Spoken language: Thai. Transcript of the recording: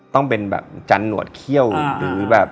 ต้องเป็นแบบจันหนวดเขี้ยวหรือแบบ